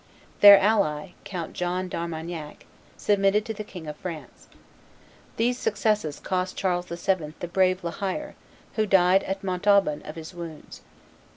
Their ally, Count John d'Armagnac, submitted to the King of France. These successes cost Charles VII. the brave La Hire, who died at Montauban of his wounds.